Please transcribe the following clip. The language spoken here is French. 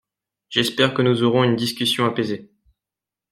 J’espère que nous aurons une discussion apaisée.